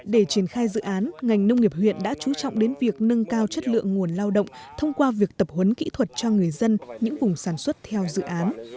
để triển khai dự án ngành nông nghiệp huyện đã chú trọng đến việc nâng cao chất lượng nguồn lao động thông qua việc tập huấn kỹ thuật cho người dân những vùng sản xuất theo dự án